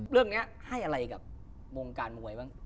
เรื่องนี้ให้อะไรกับวงการมวยบ้าง